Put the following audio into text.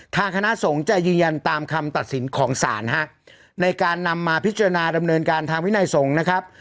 ทางคณะสงฆ์จะยืนยันตามคำตัดสินของศาลฮะในการนำมาพิจารณาดำเนินการทางวินัยสงฆ์นะครับ